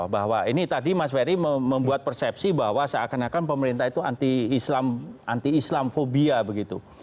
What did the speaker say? bahwa ini tadi mas ferry membuat persepsi bahwa seakan akan pemerintah itu anti islam anti islamfobia begitu